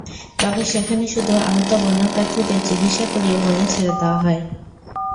তবে সেখানে শুধু আহত বন্য প্রাণীদের চিকিৎসা করিয়ে বনে ছেড়ে দেওয়া হয়।